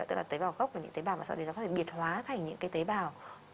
tức là tế bào gốc là những tế bào mà sau đấy nó có thể biệt hóa thành những tế bào